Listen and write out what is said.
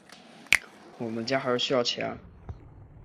我们家还是需要钱啊